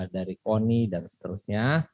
dari poni dan seterusnya